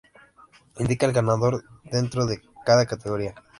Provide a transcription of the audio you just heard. Indica el ganador dentro de cada categoría.